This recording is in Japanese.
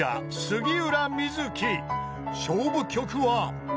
［勝負曲は］